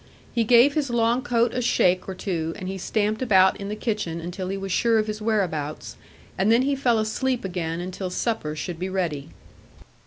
He gave his long coat a shake or two, and he stamped about in the kitchen, until he was sure of his whereabouts, and then he fell asleep again until supper should be ready.